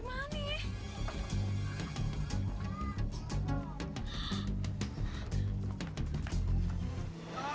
saya tidak akan lakukannya